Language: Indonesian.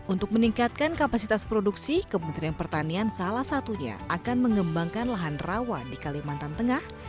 untuk meningkatkan kapasitas produksi kementerian pertanian salah satunya akan mengembangkan lahan rawa di kalimantan tengah